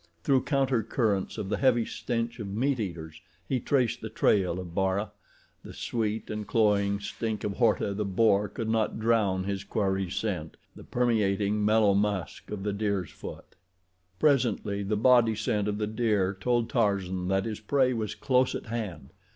Through counter currents of the heavy stench of meat eaters he traced the trail of Bara; the sweet and cloying stink of Horta, the boar, could not drown his quarry's scent—the permeating, mellow musk of the deer's foot. Presently the body scent of the deer told Tarzan that his prey was close at hand.